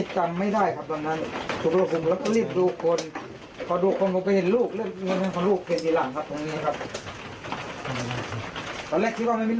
ตอนแรกคิดว่ามันมีลูกก็ไม่เป็นไรลูกเป็นคนไว้นอนหลับผมก็มาตรงนี้